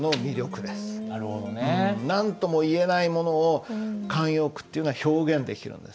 なるほどね。何とも言えないものを慣用句っていうのは表現できるんです。